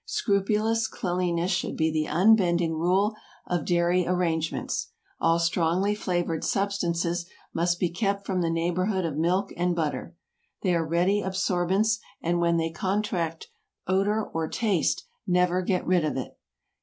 Scrupulous cleanliness should be the unbending rule of dairy arrangements. All strongly flavored substances must be kept from the neighborhood of milk and butter. They are ready absorbents, and when they contract odor or taste, never get rid of it.